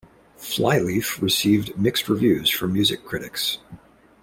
"Flyleaf" received mixed reviews from music critics.